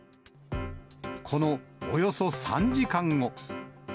このおよそ３時間後。